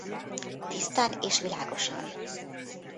Tisztán és világosan.